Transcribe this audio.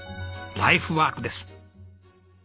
ライフワークです。